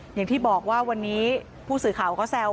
อย่างที่บอกว่าวันนี้ผู้สื่อข่าวก็แซว